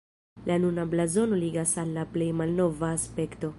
La nuna blazono ligas al la plej malnova aspekto.